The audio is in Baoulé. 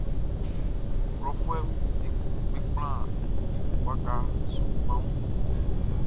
Klɔfuɛʼm be kplan waka su kpanwun.